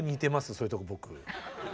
そういうとこ僕。